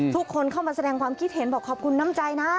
เข้ามาแสดงความคิดเห็นบอกขอบคุณน้ำใจนะ